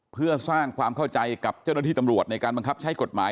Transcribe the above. เพื่อสร้างความเข้าใจกับเจ้าหน้าที่ตำรวจในการบังคับใช้กฎหมาย